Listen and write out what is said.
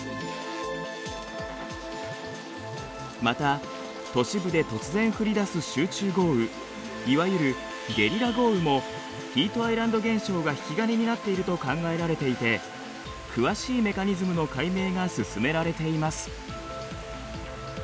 また都市部で突然降りだす集中豪雨いわゆるゲリラ豪雨もヒートアイランド現象が引き金になっていると考えられていて詳しいメカニズムの解明が進められています。